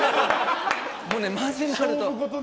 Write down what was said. もうマジになると。